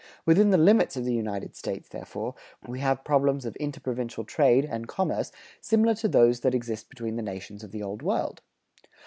Within the limits of the United States, therefore, we have problems of interprovincial trade and commerce similar to those that exist between the nations of the Old World.